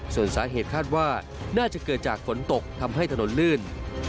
ส่วนสาเหตุคาดว่าน่าจะเกิดจากฝนตกทำให้ถนนลื่น